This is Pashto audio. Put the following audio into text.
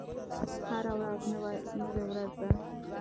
هره ورځ نوې ورځ ده